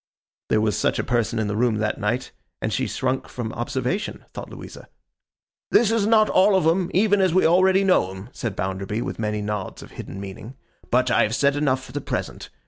There was such a person in the room that night, and she shrunk from observation, thought Louisa. 'This is not all of 'em, even as we already know 'em,' said Bounderby, with many nods of hidden meaning. 'But I have said enough for the present.